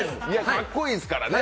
かっこいいですからね。